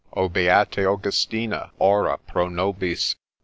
' O Beate Augustine, ora pro nobis